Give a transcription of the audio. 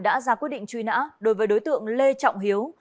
đã ra quyết định truy nã đối với đối tượng lê trọng hiếu